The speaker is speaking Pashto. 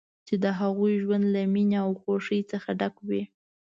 چې د هغوی ژوند له مینې او خوښۍ څخه ډک وي.